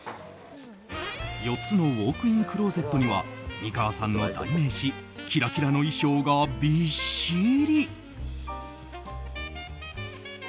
４つのウォークインクローゼットには美川さんの代名詞キラキラの衣装がびっしり。